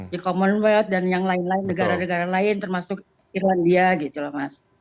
di commonwealth dan yang lain lain negara negara lain termasuk irlandia gitu loh mas